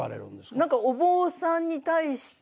何かお坊さんに対して。